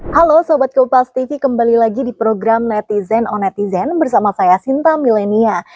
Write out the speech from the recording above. halo sobat keupasti kembali lagi di program netizen on netizen bersama saya sinta milenia